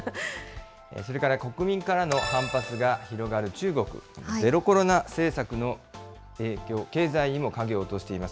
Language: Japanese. それから国民からの反発が広がる中国、ゼロコロナ政策の影響、経済にも影を落としています。